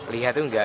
lihat itu enggak